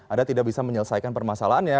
anda tidak bisa menyelesaikan permasalahannya